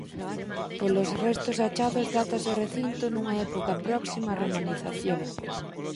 Polos restos achados dátase o recinto nunha época próxima á romanización.